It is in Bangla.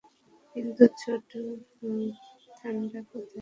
কিন্তু ছোট্ট থান্ডার কোথায়?